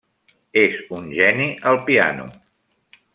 És un geni al piano.